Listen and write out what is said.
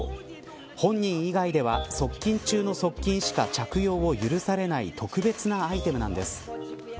本人以外では、側近中の側近しか着用を許されない特別なアイテムなんです。